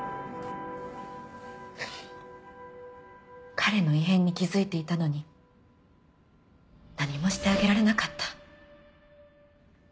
彼の異変に気付いていたのに何もしてあげられなかった。